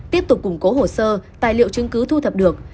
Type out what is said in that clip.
tiếp tục củng cố hồ sơ tài liệu chứng cứ thu thập được